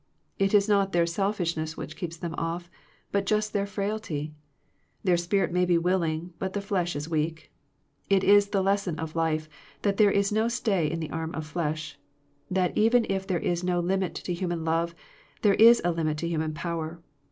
It is not their selfish ness which keeps them off, but just their frailty. Their spirit may be willing, but the flesh is weak. It is the lesson of life, that there is no stay in the arm of flesh, that even if there is no limit to human love, there is a limit to human power.